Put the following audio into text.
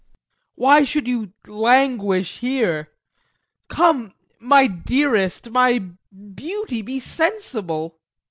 VOITSKI. Why should you languish here? Come, my dearest, my beauty, be sensible!